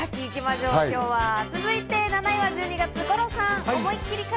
続いて７位は１２月、五郎さん。